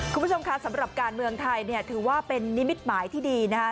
คุณผู้ชมคะสำหรับการเมืองไทยเนี่ยถือว่าเป็นนิมิตหมายที่ดีนะคะ